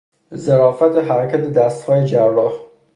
ظرافت حرکت دستهای جراح